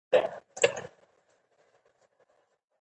اداري اصول د انصاف د ټینګښت وسیله ده.